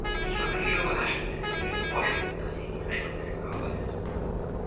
Ich war angenehm überrascht von den Regeln und Vorschriften, nach denen die Rhein-Kommission arbeitet.